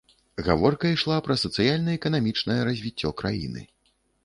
Гаворка ішла пра сацыяльна-эканамічнае развіццё краіны.